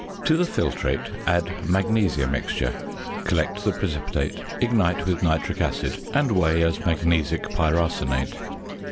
To the filtrate add "magnesia mixture." Collect the precipitate, ignite with nitric acid, and weigh as magnesic pyrarsenate.